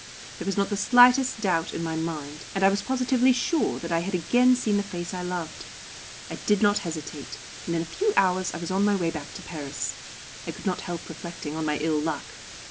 There was not the slightest doubt in my mind, and I was positively sure that I had again seen the face I loved. I did not hesitate, and in a few hours I was on my way back to Paris. I could not help reflecting on my ill luck.